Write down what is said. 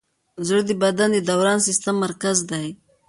زړه د بدن د دوران سیسټم مرکز دی.